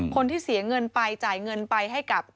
คนที่เสียเงินไปจ่ายเงินไปให้กับ